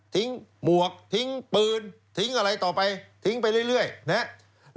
ทิ้งหมวกทิ้งปืนทิ้งอะไรต่อไปทิ้งไปเรื่อยเรื่อยนะฮะ